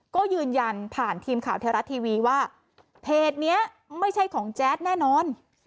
ก็ยืนยันผ่านทีมข่าวไทยรัฐทีวีว่าเพจนี้ไม่ใช่ของแจ๊ดแน่นอน